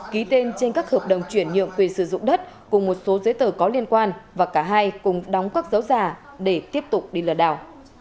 ký tên trên các hợp đồng chuyển nhượng quyền sử dụng đất cùng một số giấy tờ có liên quan và cả hai cùng đóng các dấu giả để tiếp tục đi lừa đảo